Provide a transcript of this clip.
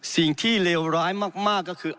สิ่งที่เลวร้ายมากก็คือ